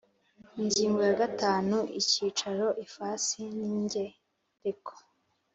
Ingingo ya gatanu Icyicaro ifasi n ingereko